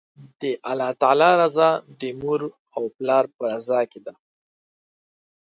د الله تعالی رضا، د مور او پلار په رضا کی ده